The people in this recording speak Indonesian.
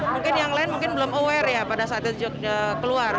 mungkin yang lain mungkin belum aware ya pada saat itu keluar